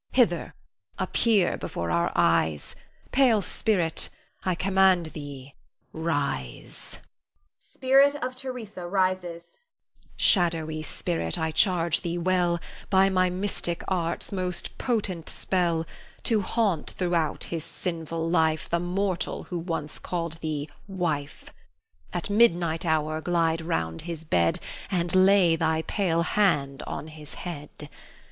Hither appear before our eyes. Pale spirit, I command thee rise. [Spirit of Theresa rises. Shadowy spirit, I charge thee well, By my mystic art's most potent spell, To haunt throughout his sinful life, The mortal who once called thee wife. At midnight hour glide round his bed, And lay thy pale hand on his head.